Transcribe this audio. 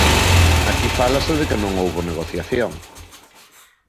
Aquí fálase de que non houbo negociación.